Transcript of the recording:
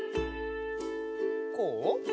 こう？